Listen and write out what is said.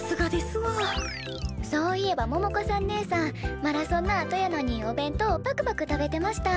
そういえば百子さんねえさんマラソンのあとやのにお弁当をぱくぱく食べてました。